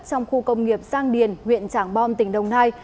trong khu công nghiệp giang điền huyện trảng bom tỉnh đồng nai